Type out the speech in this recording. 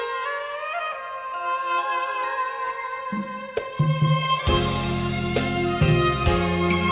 สวัสดีครับ